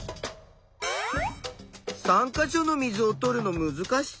３か所の水をとるのむずかしそう。